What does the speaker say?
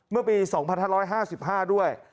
เมื่อปี๒๕๕๕ด้วย